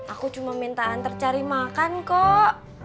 aku cuma minta antar cari makan kok